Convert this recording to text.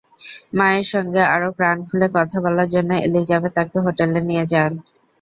মায়ের সঙ্গে আরও প্রাণ খুলে কথা বলার জন্য এলিজাবেথ তাঁকে হোটেলে নিয়ে যান।